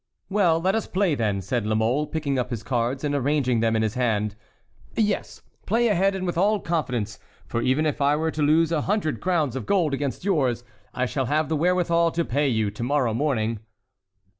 "Well, let us play, then," said La Mole, picking up his cards and arranging them in his hand. "Yes, play ahead and with all confidence, for even if I were to lose a hundred crowns of gold against yours I shall have the wherewithal to pay you to morrow morning."